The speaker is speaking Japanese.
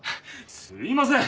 すいません。